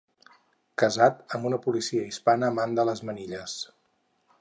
Casat amb una policia hispana amant de les manilles.